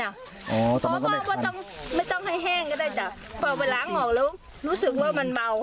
ปวดไปล้างออกแล้วรู้สึกว่ามันเบา